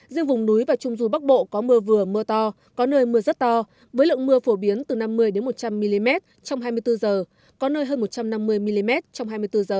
riêng vùng núi và trung du bắc bộ có mưa vừa mưa to có nơi mưa rất to với lượng mưa phổ biến từ năm mươi một trăm linh mm trong hai mươi bốn h có nơi hơn một trăm năm mươi mm trong hai mươi bốn h